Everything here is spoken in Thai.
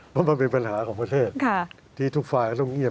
เพราะมันเป็นปัญหาของประเทศที่ทุกฝ่ายต้องเงียบ